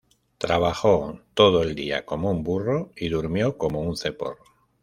Trabajó todo el día como un burro y durmió como un ceporro